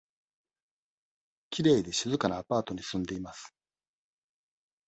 きれいで静かなアパートに住んでいます。